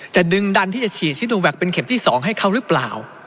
จะดึงดันที่จะฉีดซิโนแวคเป็นเข็มที่๒ให้เขาหรือเปล่า